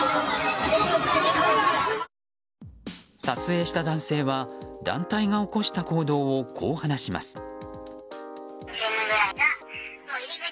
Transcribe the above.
撮影した男性は団体が起こした行動をこう話します。